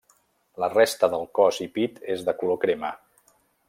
La resta del cos i pit és de color crema.